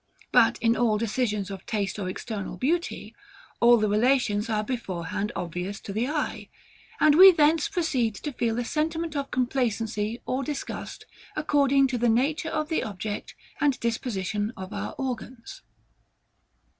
But in all decisions of taste or external beauty, all the relations are beforehand obvious to the eye; and we thence proceed to feel a sentiment of complacency or disgust, according to the nature of the object, and disposition of our organs.